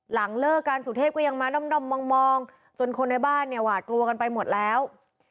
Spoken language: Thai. หลังเลิกกันสุเทพก็ยังมาด้อมมองจนคนในบ้านเนี่ยหวาดกลัวกันไปหมดแล้ว